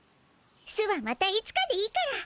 巣はまたいつかでいいから。